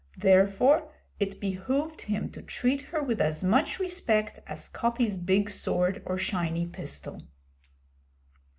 Therefore it behoved him to treat her with as much respect as Coppy's big sword or shiny pistol.